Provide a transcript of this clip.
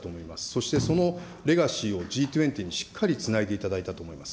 そしてそのレガシーをＧ２０にしっかりつないでいただいたと思います。